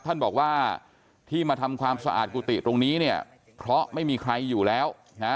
ท่านบอกว่าที่มาทำความสะอาดกุฏิตรงนี้เนี่ยเพราะไม่มีใครอยู่แล้วนะ